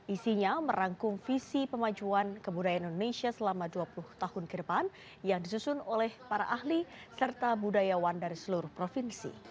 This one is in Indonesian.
isinya merangkum visi pemajuan kebudayaan indonesia selama dua puluh tahun ke depan yang disusun oleh para ahli serta budayawan dari seluruh provinsi